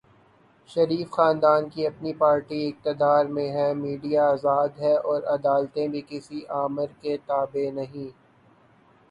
شریف خاندان کی اپنی پارٹی اقتدار میں ہے، میڈیا آزاد ہے اور عدالتیں بھی کسی آمر کے تابع نہیں۔